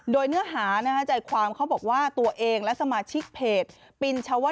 โดยเนื่องหาในใจความว่าตัวเองและสมาชิกเพจปินเชาะวนั่น